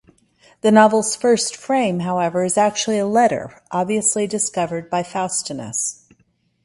The novel's first frame, however, is actually a letter, obviously discovered by Faustinus.